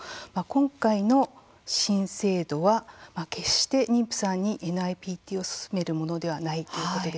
今回の新制度は決して妊婦さんにＮＩＰＴを勧めるものではないということでした。